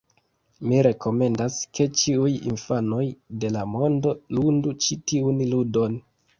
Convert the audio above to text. Mi rekomendas ke ĉiuj infanoj de la mondo ludu ĉi tiun ludon!